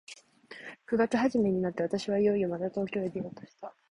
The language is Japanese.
九月始めになって、私はいよいよまた東京へ出ようとした。